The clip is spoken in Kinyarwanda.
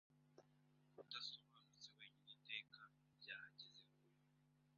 kudasobanutse wenyine iteka ryahagaze kure